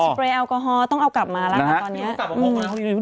เปรย์แอลกอฮอลต้องเอากลับมาแล้วค่ะตอนนี้